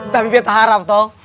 tapi betta harap toh